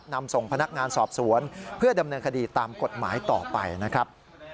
นำส่งพนักงานสอบสวนเพื่อดำเนินคดีตามกฎหมายต่อไปนะครับ